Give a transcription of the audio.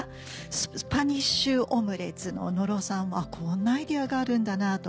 スパニッシュオムレツの野呂さんはこんなアイデアがあるんだなとか。